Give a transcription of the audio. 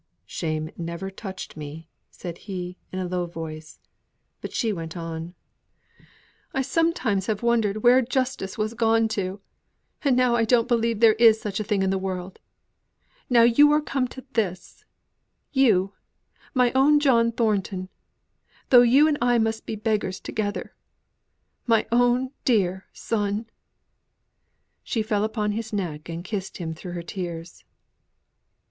"Shame never touched me," said he, in a low tone: but she went on. "I sometimes have wondered where justice was gone to, and now I don't believe there is such a thing in the world now you are come to this; you, my own John Thornton, though you and I may be beggars together my own dear son!" She fell upon his neck, and kissed him through her tears.